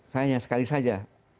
sayangnya sekali saja